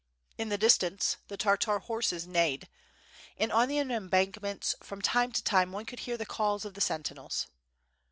In the distance the Tartar horses neighed, and on the embankments from time to time one could hear the calls of the sentinels.